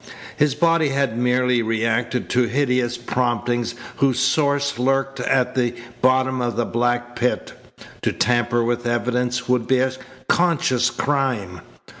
His body had merely reacted to hideous promptings whose source lurked at the bottom of the black pit. To tamper with evidence would be a conscious crime.